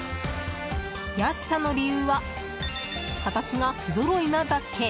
安さの理由は形が不ぞろいなだけ。